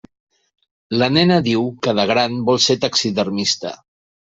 La nena diu que de gran vol ser taxidermista.